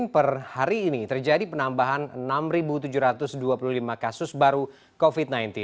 per hari ini terjadi penambahan enam tujuh ratus dua puluh lima kasus baru covid sembilan belas